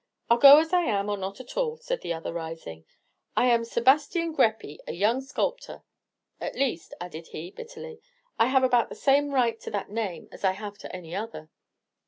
"I'll go as I am, or not at all," said the other, rising. "I am Sebastian Greppi, a young sculptor. At least," added he, bitterly, "I have about the same right to that name that I have to any other."